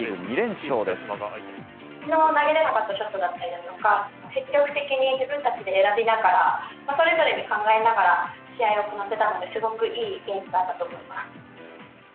初戦、投げられなかったショットだったりだとか、積極的に自分たちで選びながら、それぞれで考えながら、試合をこなせたので、すごくいいゲームだったと思います。